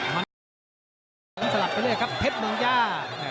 มันสลับไปเลยครับเพชรมงญา